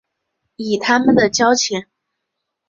以他们的交情